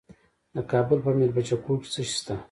د کابل په میربچه کوټ کې څه شی شته؟